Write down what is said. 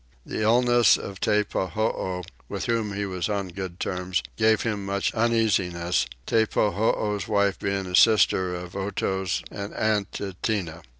The illness of Teppahoo, with whom he was on good terms, gave him much uneasiness, Teppahoo's wife being a sister of Otow's and aunt to Tinah.